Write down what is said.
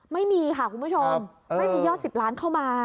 ไม่มีค่ะคุณผู้ชมไม่มียอด๑๐ล้านเข้ามา